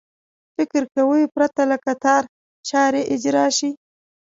فکر کوي پرته له کتار چارې اجرا شي.